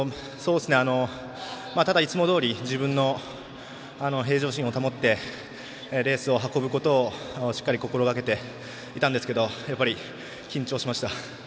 ただいつもどおり自分の平常心を保ってレースを運ぶことをしっかり心がけていたんですがやっぱり緊張しました。